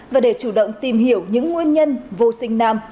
và để chủ động tìm hiểu những nguyên nhân vô sinh nam